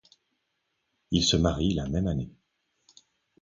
Ils se marient la même année.